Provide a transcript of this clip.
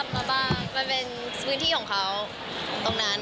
พอเขาทราบมาบ้างมันเป็นพื้นที่ของเขาตรงนั้น